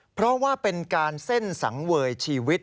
เพราะว่าเป็นการเส้นสังเวยชีวิต